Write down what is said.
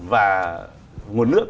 và nguồn nước